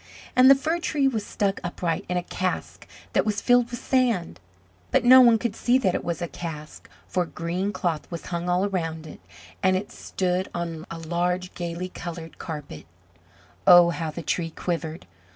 And the Fir tree was stuck upright in a cask that was filled with sand: but no one could see that it was a cask, for green cloth was hung all around it, and it stood on a large gayly coloured carpet. Oh, how the Tree quivered!